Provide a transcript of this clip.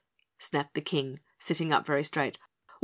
snapped the King, sitting up very straight.